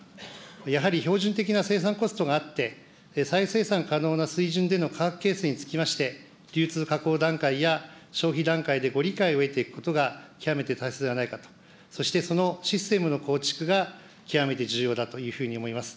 やはり標準的な生産コストがあって、再生産可能な水準での価格形成につきまして、流通加工段階や、消費段階でご理解を得ていくことが極めて大切ではないかと、そしてそのシステムの構築が極めて重要だというふうに思います。